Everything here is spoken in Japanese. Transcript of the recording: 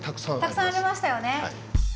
たくさんありましたよね？